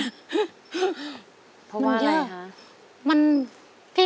นั้นเยอะพร้อมว่าอะไรคะมันเยอะ